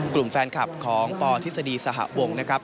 กลุ่มแฟนคลับของปทฤษฎีสหวงนะครับ